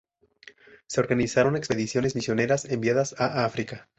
Se organizaron expediciones misioneras enviadas a África.